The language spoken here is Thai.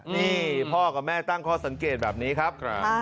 นี่พ่อกับแม่ตั้งข้อสังเกตแบบนี้ครับ